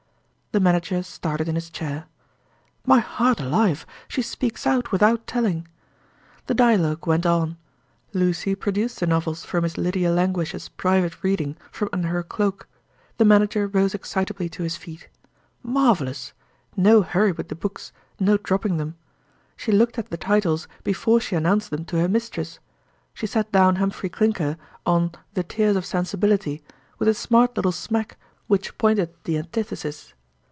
The manager started in his chair. "My heart alive! she speaks out without telling!" The dialogue went on. Lucy produced the novels for Miss Lydia Languish's private reading from under her cloak. The manager rose excitably to his feet. Marvelous! No hurry with the books; no dropping them. She looked at the titles before she announced them to her mistress; she set down "Humphrey Clinker" on "The Tears of Sensibility" with a smart little smack which pointed the antithesis.